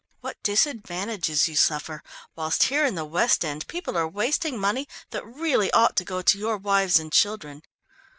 What disadvantages you suffer, whilst here in the West End people are wasting money that really ought to go to your wives and children."